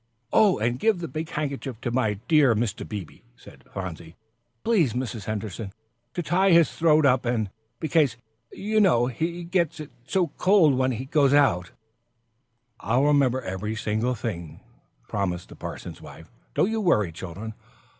"Oh, and give the big handkerchief to my dear Mr. Beebe," said Phronsie, "please, Mrs. Henderson, to tie his throat up in, because, you know, he says it gets so cold when he goes out." "I'll remember every single thing," promised the parson's wife. "Don't you worry, children.